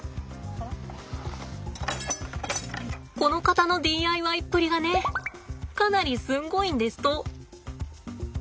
この方のＤＩＹっぷりがねかなりすんごいんですと。